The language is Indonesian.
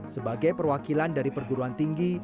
sebagai perwakilan dari perguruan tinggi